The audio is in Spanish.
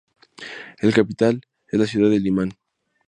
La capital es la ciudad de Limán.